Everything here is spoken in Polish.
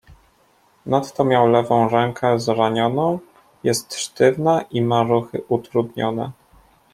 "Nadto miał lewą rękę zranioną; jest sztywna i ma ruchy utrudnione."